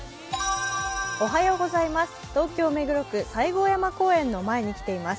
東京・目黒区、西郷山公園の前に来ています。